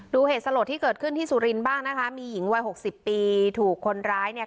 เหตุสลดที่เกิดขึ้นที่สุรินทร์บ้างนะคะมีหญิงวัยหกสิบปีถูกคนร้ายเนี่ย